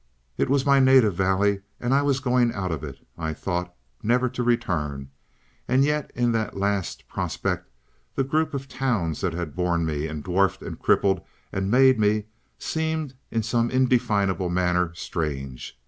It was my native valley, and I was going out of it, I thought never to return, and yet in that last prospect, the group of towns that had borne me and dwarfed and crippled and made me, seemed, in some indefinable manner, strange.